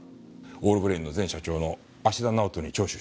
オールブレインの前社長の芦田直人に聴取してみる。